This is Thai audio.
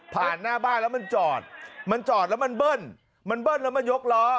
หน้าบ้านแล้วมันจอดมันจอดแล้วมันเบิ้ลมันเบิ้ลแล้วมายกล้อ